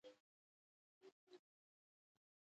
ایا زه له مور سره راشم؟